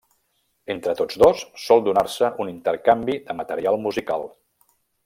Entre tots dos sol donar-se un intercanvi de material musical.